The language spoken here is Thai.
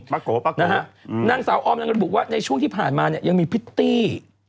ประโกะนะฮะนางซาอวออมลงรบบุกว่าช่วงที่ผ่านมามีพิตตี้